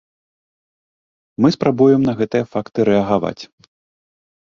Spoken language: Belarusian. Мы спрабуем на гэтыя факты рэагаваць.